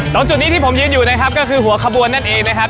ตรงจุดนี้ที่ผมยืนอยู่นะครับก็คือหัวขบวนนั่นเองนะครับ